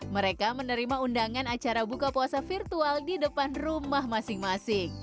mereka menerima undangan acara buka puasa virtual di depan rumah masing masing